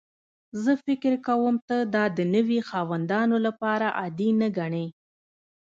زه فکر کوم ته دا د نوي خاوندانو لپاره عادي نه ګڼې